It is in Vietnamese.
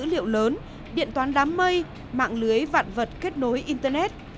dữ liệu lớn điện toán đám mây mạng lưới vạn vật kết nối internet